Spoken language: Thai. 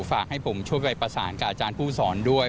ฝากให้ผมช่วยไปประสานกับอาจารย์ผู้สอนด้วย